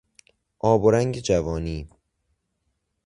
آب و رنگ جوانی